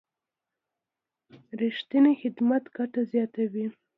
رښتینی خدمت ګټه زیاتوي.